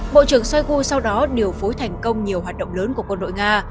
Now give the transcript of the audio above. bộ trưởng shoigu sau đó điều phối thành công nhiều hoạt động lớn của quân đội nga